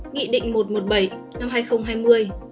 nghị định một trăm một mươi bảy năm hai nghìn hai mươi